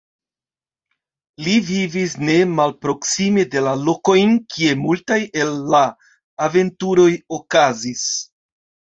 Li vivis ne malproksime de la lokojn, kie multaj el la aventuroj okazis.